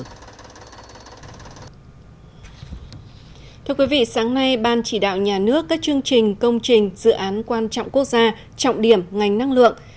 thưa quý vị sáng nay ban chỉ đạo nhà nước các chương trình công trình dự án quan trọng quốc gia trọng điểm ngành năng lượng